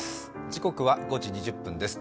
時刻は５時２０分です。